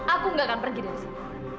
aku gak akan pergi dari sini